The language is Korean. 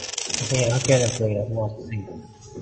인생이란 학교에는 불행이란 훌륭한 스승이 있다.